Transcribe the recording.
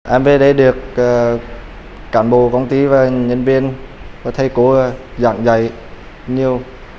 em về đây được cản bộ công ty và nhân viên có thể cố giảng dạy nhiều